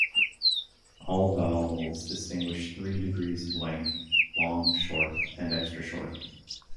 All vowels distinguish three degrees of length: long, short, and extra-short.